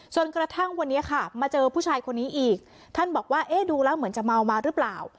จนกระทั่งวันนี้ค่ะมาเจอผู้ชายคนนี้อีกท่านบอกว่าเอ๊ะดูแล้วเหมือนจะเมามาหรือเปล่า